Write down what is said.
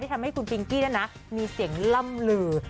ทำให้คุณปิงกี้นั้นมีเสียงล่ำลือ